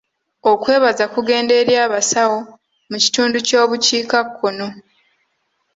Okwebaza kugende eri abasawo mu kitundu ky'obukiikakkono.